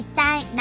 何？